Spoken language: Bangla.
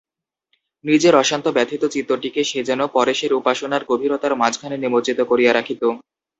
নিজের অশান্ত ব্যথিত চিত্তটিকে সে যেন পরেশের উপাসনার গভীরতার মাঝখানে নিমজ্জিত করিয়া রাখিত।